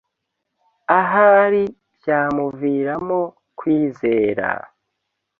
ahari byamuviramo kwizera!